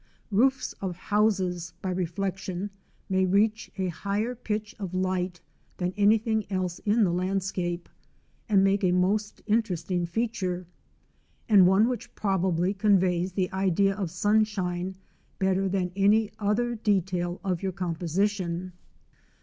Roofs of houses by reflection may reach a higher pitch of light than anything else in the landscape, and make a most interesting feature, and one which probably conveys the idea of sunshine better than any other detail of your composition.